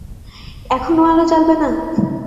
এখনো আলো জ্বালবে না?